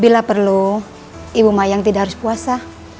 bila perlu ibu mayang tidak harus puasa